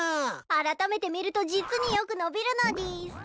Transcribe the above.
あらためて見ると実によく伸びるのでぃす。